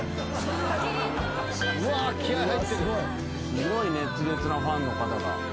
すごい熱烈なファンの方だ。